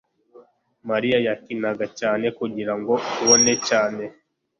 mariya yakinaga cyane kugirango abone cyane